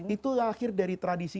itu lahir dari tradisi